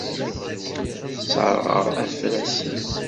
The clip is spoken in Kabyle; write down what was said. Sserɣeɣ afrasen.